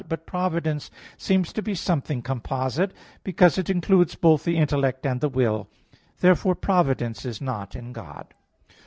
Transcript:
But providence seems to be something composite, because it includes both the intellect and the will. Therefore providence is not in God.